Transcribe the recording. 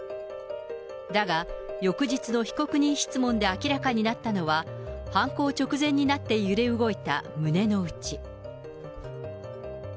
だが、翌日の被告人質問で明らかになったのは、犯行直前になって揺れ動いた胸の内。